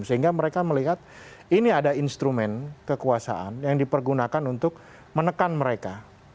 sehingga mereka melihat ini ada instrumen kekuasaan yang dipergunakan untuk menekan mereka